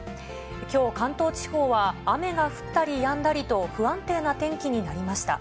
きょう、関東地方は、雨が降ったりやんだりと、不安定な天気になりました。